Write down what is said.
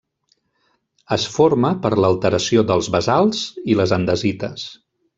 Es forma per l'alteració dels basalts i les andesites.